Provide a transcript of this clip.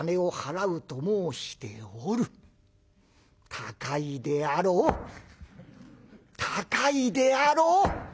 高いであろう高いであろう！